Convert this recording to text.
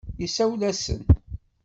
Isawel-asen.